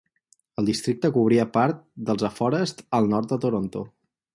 El districte cobria part dels afores al nord de Toronto.